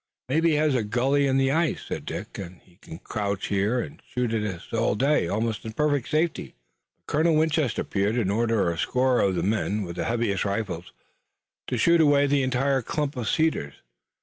"Maybe he has a gully in the ice," said Dick, "and he can crouch here and shoot at us all day, almost in perfect safety." But Colonel Winchester appeared and ordered a score of the men, with the heaviest rifles, to shoot away the entire clump of cedars.